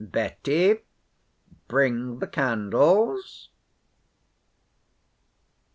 —Betty, bring the candles.